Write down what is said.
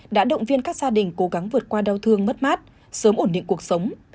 đã động viên các gia đình cố gắng vượt qua đau thương mất mát sớm ổn định cuộc sống